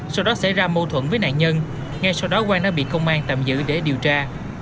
sau đó xảy ra mâu thuẫn với nạn nhân ngay sau đó quang đã bị công an tạm giữ để điều tra